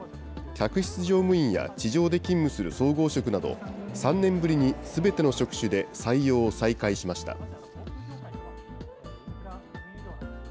客室乗務員や地上で勤務する総合職など、３年ぶりにすべての職種で採用を再開しました。